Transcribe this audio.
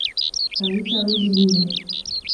Halitarudi bure.